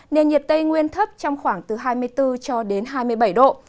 nền nhiệt tây nguyên thấp trong khoảng từ hai mươi bốn cho đến hai mươi bảy độ